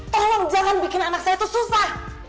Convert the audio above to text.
tolong jangan bikin anak saya itu susah